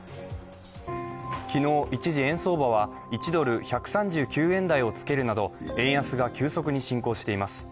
昨日、一時円相場は１ドル＝１３９円台をつけるなど円安が急速に進行しています。